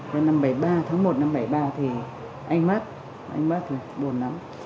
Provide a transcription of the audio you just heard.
rồi năm bảy mươi ba tháng một năm bảy mươi ba thì anh mất anh mất rồi buồn lắm